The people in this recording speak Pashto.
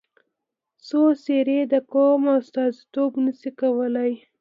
څو څېرې د قوم استازیتوب نه شي کولای.